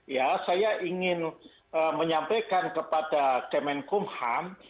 ya saya ingin menyampaikan kepada kemenkumham